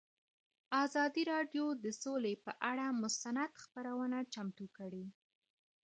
ازادي راډیو د سوله پر اړه مستند خپرونه چمتو کړې.